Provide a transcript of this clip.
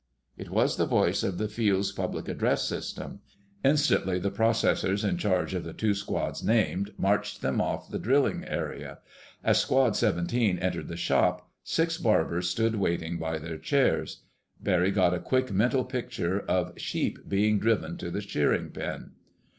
It was the voice of the Field's public address system. Instantly the processors in charge of the two squads named marched them off the drilling area. As Squad 17 entered the shop, six barbers stood waiting by their chairs. Barry got a quick mental picture of sheep being driven to the shearing pen.